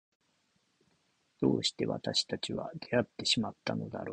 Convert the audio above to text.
どうして私たちは出会ってしまったのだろう。